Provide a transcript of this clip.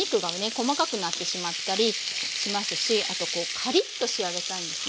細かくなってしまったりしますしあとカリッと仕上げたいんですね